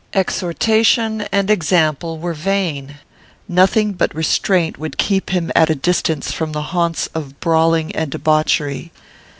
Exhortation and example were vain. Nothing but restraint would keep him at a distance from the haunts of brawling and debauchery.